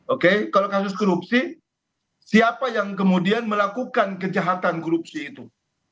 oke kalau kasus korupsi siapa yang kemudian melakukan kejahatan korupsi itu